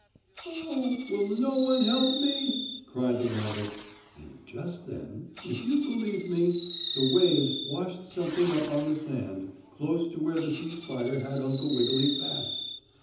"Oh, will no one help me?" cried the rabbit. And just then, if you'll believe me, the waves washed something up on the sand, close to where the sea spider had Uncle Wiggily fast.